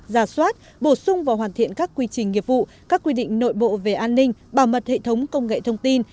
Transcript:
giả soát bổ sung và hoàn thiện các quy trình nghiệp vụ các quy định nội bộ về an ninh bảo mật hệ thống công nghệ thông tin